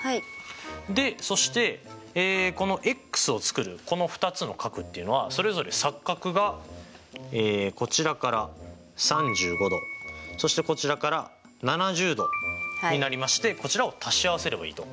でそしてこのｘを作るこの２つの角っていうのはそれぞれ錯角がこちらから３５°そしてこちらから７０°になりましてこちらを足し合わせればいいと。